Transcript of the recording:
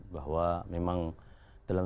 bahwa memang dalam